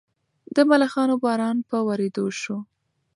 د ملخانو باران په ورېدو شو.